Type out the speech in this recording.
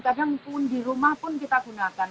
kadang pun di rumah pun kita gunakan